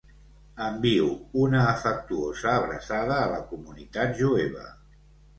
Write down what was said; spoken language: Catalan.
Envio una afectuosa abraçada a la comunitat jueva.